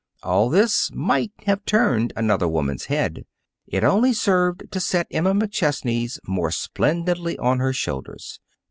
All this might have turned another woman's head. It only served to set Emma McChesney's more splendidly on her shoulders.